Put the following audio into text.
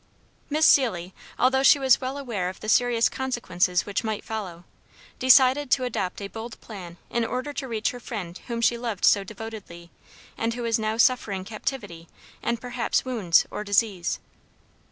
Miss Seelye, although she was well aware of the serious consequences which might follow, decided to adopt a bold plan in order to reach her friend whom she loved so devotedly, and who was now suffering captivity and perhaps wounds or disease.